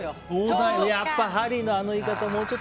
やっぱりハリーのあの言い方。